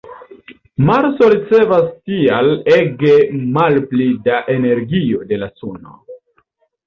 Marso ricevas tial ege malpli da energio de la suno.